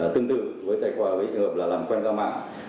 tương tự với tài khoản với trường hợp làm quen qua mạng